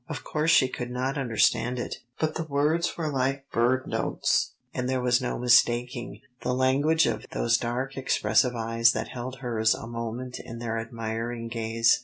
Of course she could not understand it, but the words were like bird notes, and there was no mistaking the language of those dark expressive eyes that held hers a moment in their admiring gaze.